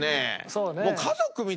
そうね。